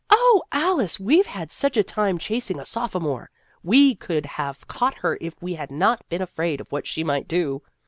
" Oh, Alice, we 've had such a time chasing a sophomore ! We could have caught her if we had not been afraid of what she might do."